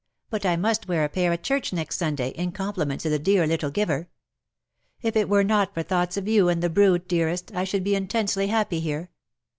1G9 but I must wear a pair at church next Sunday^ in compliment to the dear little giver. If it were not for thoughts of you and the broody dearest, I should be intensely happy here